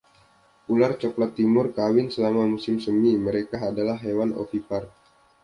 Ular cokelat timur kawin selama musim semi; mereka adalah hewan ovipar.